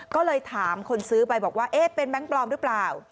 ก็เลยถามคนซื้อไปบอกว่าเอ๊ะเป็นแบงค์ปลอมหรือเปล่า